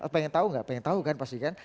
pengen tahu nggak pengen tahu kan pasti kan